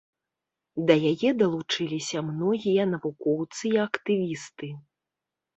Да яе далучыліся многія навукоўцы і актывісты.